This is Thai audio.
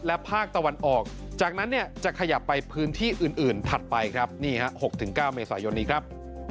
และภาคตะวันออกจากนั้นเนี่ยจะขยับไปพื้นที่อื่นถัดไปครับนี่ฮะ๖๙เมษายนนี้ครับ